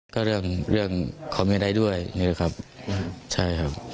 ก็เรื่องคอมเมียได้ด้วยใช่ครับ